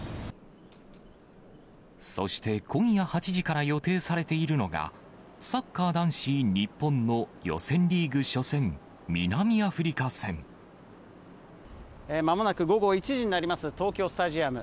そして今夜８時から予定されているのが、サッカー男子日本の予選リーグ初戦、南アフリカ戦。まもなく午後１時になります東京スタジアム。